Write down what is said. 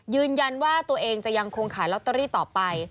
ยืนยันว่าตัวเองจะยังคงขายลอตเตอรี่ต่อไป